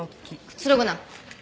くつろぐな。